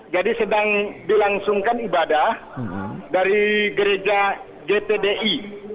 jadi sedang dilangsungkan ibadah dari gereja gtdi